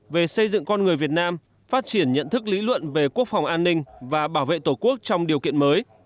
về xây dựng con người việt nam phát triển nhận thức lý luận về quốc phòng an ninh và bảo vệ tổ quốc trong điều kiện mới